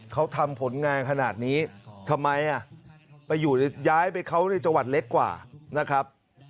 เขาทำผลงานขนาดนี้ทำไมไปอยู่ย้ายไปเขาในจังหวัดเล็กกว่านะครับ